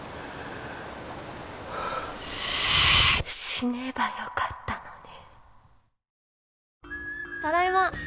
死ねばよかったのに。